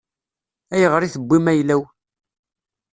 Ayɣer i tewwim ayla-w?